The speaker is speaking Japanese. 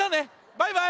バイバーイ！